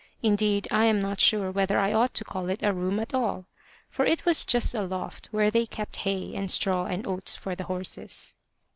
Indeed, I am not sure whether I ought to call it a room at all; for it was just a loft where they kept hay and straw and oats for the horses.